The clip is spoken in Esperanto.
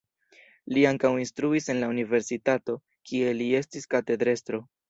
Li ankaŭ instruis en la universitato, kie li estis katedrestro.